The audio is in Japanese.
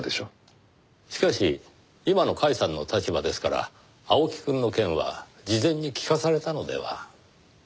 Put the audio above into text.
しかし今の甲斐さんの立場ですから青木くんの件は事前に聞かされたのでは？